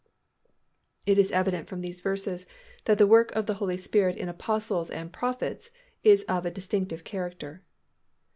It is evident from these verses that the work of the Holy Spirit in apostles and prophets is of a distinctive character.